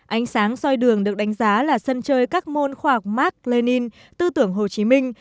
ánh sáng soi đường được đánh giá là sân chơi các môn khoa học mark lenin tư tưởng hồ chí minh